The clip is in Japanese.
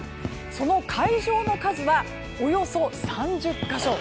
その会場の数はおよそ３０か所。